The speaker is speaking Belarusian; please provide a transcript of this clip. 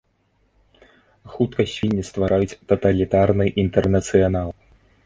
Хутка свінні ствараюць таталітарны інтэрнацыянал.